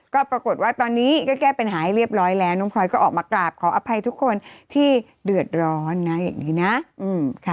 ก็ปรากฏว่าตอนนี้ก็แก้ปัญหาให้เรียบร้อยแล้วน้องพลอยก็ออกมากราบขออภัยทุกคนที่เดือดร้อนนะอย่างนี้นะ